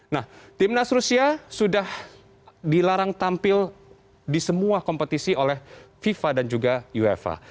nah timnas rusia sudah dilarang tampil di semua kompetisi oleh fifa dan juga uefa